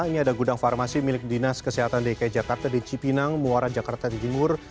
ini ada gudang farmasi milik dinas kesehatan dki jakarta di cipinang muara jakarta timur